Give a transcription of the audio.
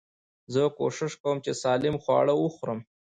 زه کوشش کوم، چي سالم خواړه وخورم.